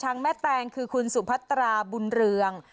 ปางช้างแม่แตงคือคุณสุภัตราบุญเรือง